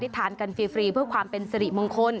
ทานกันฟรีเพื่อความเป็นสริมงคล